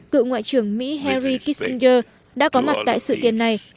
cựu ngoại trưởng mỹ harry kissinger đã có mặt tại sự kiện này